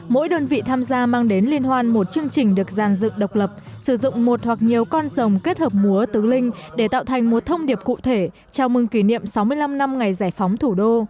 mỗi đơn vị tham gia mang đến liên hoan một chương trình được giàn dựng độc lập sử dụng một hoặc nhiều con rồng kết hợp múa tứ linh để tạo thành một thông điệp cụ thể chào mừng kỷ niệm sáu mươi năm năm ngày giải phóng thủ đô